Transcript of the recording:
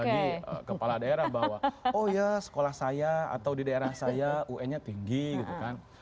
apalagi kepala daerah bahwa oh ya sekolah saya atau di daerah saya un nya tinggi gitu kan